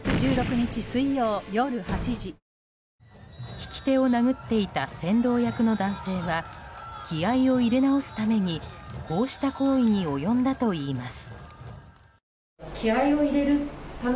曳手を殴っていた先導役の男性は気合を入れ直すためにこうした行為に及んだといいます。